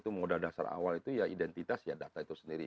itu modal dasar awal itu ya identitas ya data itu sendiri